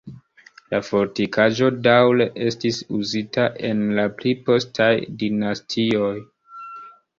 La fortikaĵo daŭre estis uzita en la pli postaj dinastioj.